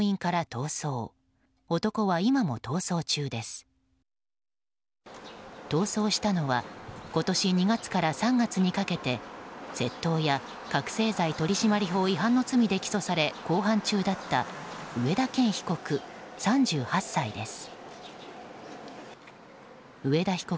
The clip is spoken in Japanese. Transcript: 逃走したのは今年２月から３月にかけて窃盗や覚醒剤取締法違反の罪で起訴され公判中だった上田健被告、３８歳です。